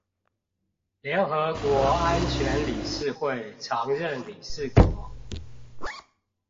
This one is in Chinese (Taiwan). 聯合國安全理事會常任理事國